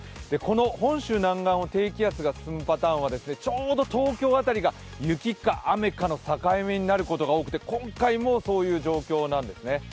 この本州南岸を低気圧が進むパターンは、ちょうど東京辺りが雪か雨かの境目になることが多くて、今回もそういう状況なんですね。